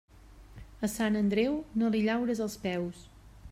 A Sant Andreu, no li llaures els peus.